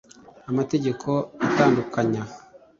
amategeko atandukanya